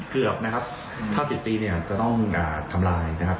เกือบนะครับถ้า๑๐ปีเนี่ยจะต้องทำลายนะครับ